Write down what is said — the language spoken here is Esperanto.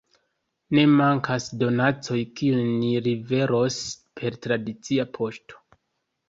Ne mankas donacoj, kiujn ni liveros per tradicia poŝto.